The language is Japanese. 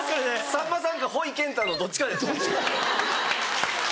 さんまさんかほいけんたのどっちかです。